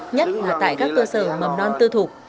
nhất là tại các cơ sở mầm non tư thục